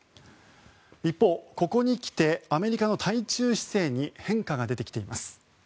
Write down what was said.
一方、ここに来てアメリカの対中姿勢に変化が出てきています。